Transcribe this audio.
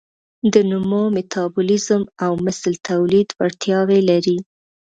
د نمو، میتابولیزم او مثل تولید وړتیاوې لري.